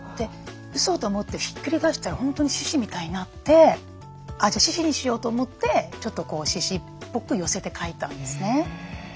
うそ？と思ってひっくり返したら本当に獅子みたいになってじゃあ獅子にしようと思ってちょっと獅子っぽく寄せて描いたんですね。